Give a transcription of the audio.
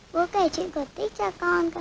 bố kể chuyện cổ tích cho con cơ